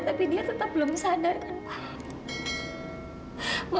tapi dia tetap belum sadar kan pak